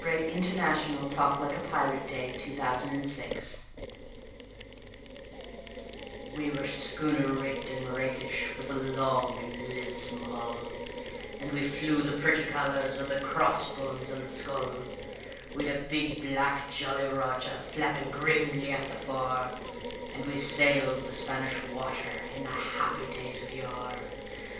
A BALLAD OF JOHN SILVER 7i A BALLAD OF JOHN SILVER We were schooner rigged and rakish, with a long and lissome hull, And we flew the pretty colours of the cross bones and the skull; We'd a big black Jolly Roger flapping grimly at the fore, And we sailed the Spanish Water in the happy days of yore.